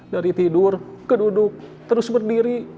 dari tidur keduduk terus berdiri